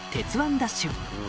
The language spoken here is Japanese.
ＤＡＳＨ‼』